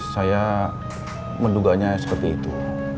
saya menduganya seperti itu